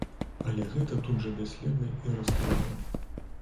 Але гэта тут жа бясследна і раставала.